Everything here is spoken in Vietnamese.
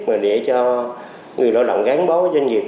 mà để cho người lao động gắn bó với doanh nghiệp